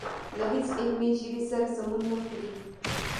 له هېڅ علمي ژبې سره سمون نه خوري.